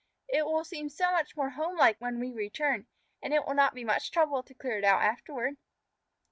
"It will seem so much more home like when we return, and it will not be much trouble to clear it out afterward."